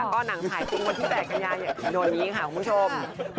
ก็หนังถ่ายจริงวันที่๘กันยายนนี้ค่ะคุณผู้ชม